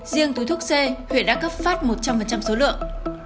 riêng túi thuốc c huyện đã cấp phát một trăm linh số lượng